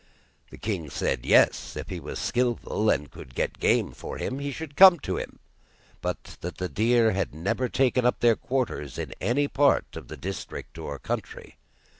The king said yes, if he was skilful and could get game for him, he should come to him, but that deer had never taken up their quarters in any part of the district or country.